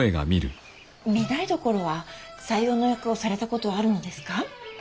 御台所は斎王の役をされたことはあるのですか。